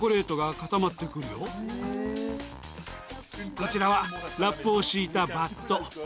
こちらはラップを敷いたバット。